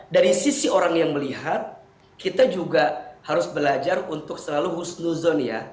dari sisi orang yang melihat kita juga harus belajar untuk selalu husnuzon ya